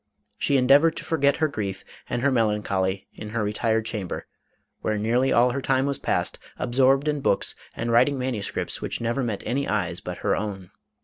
She endeavored to forget her grief and her melancholy in her retired chamber, where nearly all her time was passed, absorbed in books, and writing manuscripts which never met any eyes but her own.